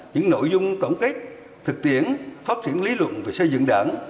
những nội dung tổng kết thực tiễn phát triển lý luận về xây dựng đảng